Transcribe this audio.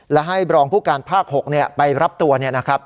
และให้บรองผู้การภาค๖ไปรับตัวเนี่ยนะครับ